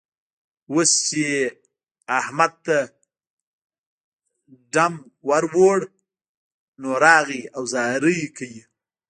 اوس چې يې احمد ته ډم ور وړ؛ نو، راغی او زارۍ کوي.